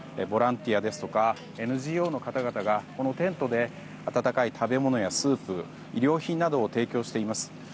ボランティアですとかＮＧＯの方々がこのテントで温かい食べ物やスープ医療品などを提供しています。